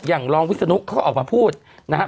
อย่างรองวิสนุกเขาก็ออกมาพูดนะครับ